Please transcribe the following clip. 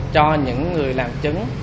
cho những người làm chứng